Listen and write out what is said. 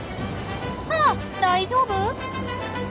あっ大丈夫？